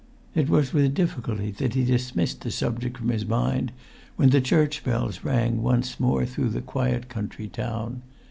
It was with difficulty that he dismissed the subject from his mind when the church bells rang once more through the quiet country town.